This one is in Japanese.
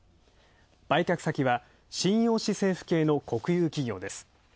売却先は瀋陽市政府系の国有企業です。